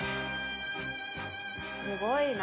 すごいな。